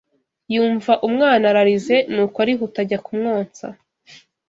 yumva umwana ararize ni uko arihuta ajya kumwonsa